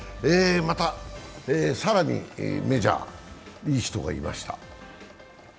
更にメジャー、いい人がいました。